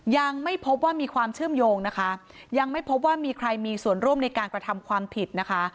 ยังไม่พบว่ามีความเชื่อมโยงนะคะยังไม่พบว่ามีใครมีส่วนร่วมในการกระทำความผิดนะคะ